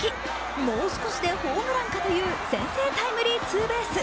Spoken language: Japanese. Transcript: もう少しでホームランかという先制タイムリーツーベース。